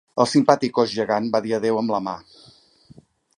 El simpàtic ós gegant va dir adéu amb la mà.